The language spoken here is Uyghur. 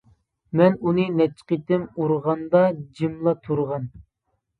مەن ئۇنى نەچچە قېتىم ئۇرغاندا جىملا تۇرغان.